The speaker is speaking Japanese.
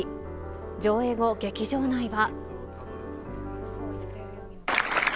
上映後、劇場内は。